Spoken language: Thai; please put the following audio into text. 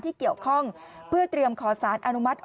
ที่เกี่ยวข้องเพื่อเตรียมขอสารอนุมัติ